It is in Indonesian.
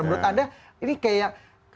menurut anda ini kayak